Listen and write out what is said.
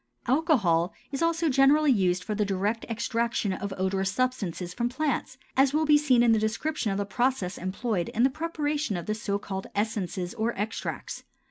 Alcohol is also generally used for the direct extraction of odorous substances from plants, as will be seen in the description of the processes employed in the preparation of the so called essences or extracts.